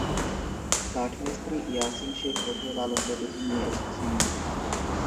কাঠমিস্ত্রি ইয়াছিন শেখ কোথায় পালঙ্ক দুটি নিয়ে এসেছেন?